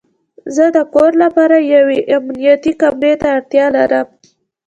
زه د کور لپاره یوې امنیتي کامرې ته اړتیا لرم